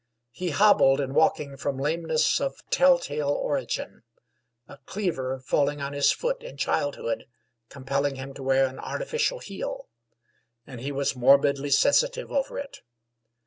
He hobbled in walking from lameness of tell tale origin, a cleaver falling on his foot in childhood, compelling him to wear an artificial heel and he was morbidly sensitive over it.